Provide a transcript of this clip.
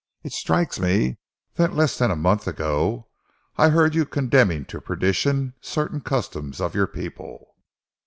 It strikes me that less than a month ago I heard you condemning to perdition certain customs of your people.